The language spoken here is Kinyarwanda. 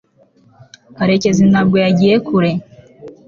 karekezi ntabwo yagiye kure